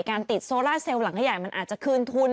การติดโซล่าเซลล์หลังใหญ่มันอาจจะคืนทุน